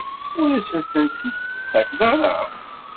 Ur asen-tent-id-tettakeḍ ara?